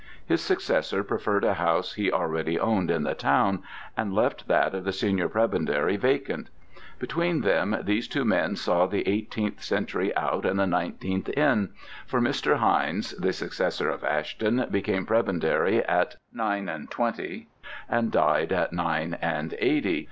His successor preferred a house he already owned in the town, and left that of the senior prebendary vacant. Between them these two men saw the eighteenth century out and the nineteenth in; for Mr. Hindes, the successor of Ashton, became prebendary at nine and twenty and died at nine and eighty.